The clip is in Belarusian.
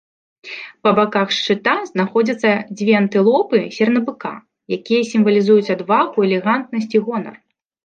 Па баках шчыта знаходзяцца дзве антылопы сернабыка, якія сімвалізуюць адвагу, элегантнасць і гонар.